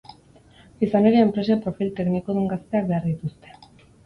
Izan ere, enpresek profil teknikodun gazteak behar dituzte.